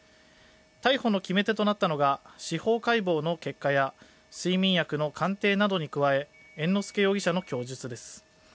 逮捕の決め手となったのが、司法解剖の結果や、睡眠薬の鑑定などに加え、猿之助容疑者の供述です。